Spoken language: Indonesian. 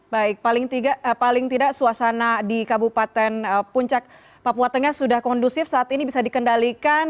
baik paling tidak suasana di kabupaten puncak papua tengah sudah kondusif saat ini bisa dikendalikan